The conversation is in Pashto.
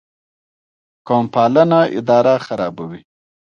قوم پالنه اداره خرابوي